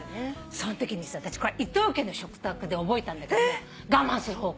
そんときに『伊東家の食卓』で覚えたんだけど我慢する方法